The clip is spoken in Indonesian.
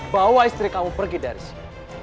bawa istri kamu pergi dari sini